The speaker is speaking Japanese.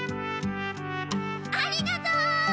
ありがとう！